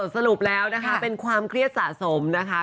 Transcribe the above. สรุปแล้วนะคะเป็นความเครียดสะสมนะคะ